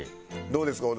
どうですか？